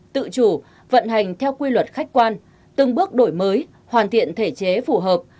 tự chủ vận hành theo quy luật khách quan từng bước đổi mới hoàn thiện thể chế phù hợp